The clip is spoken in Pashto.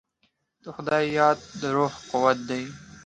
د خدای یاد د روح قوت دی.